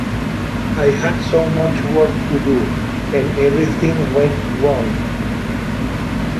I had so much work to do, and everything went wrong.